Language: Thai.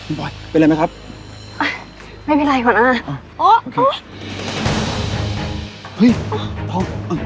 ไม่เป็นไรดีวะนะอะโอ้โหเฮ้ยหรอเออ